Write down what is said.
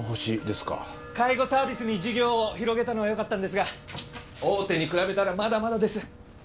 介護サービスに事業を広げたのはよかったんですが大手に比べたらまだまだです。